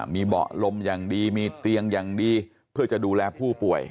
มีเบาะลมอย่างดีมีเตียงอย่างดีเพื่อจะดูแลผู้ป่วย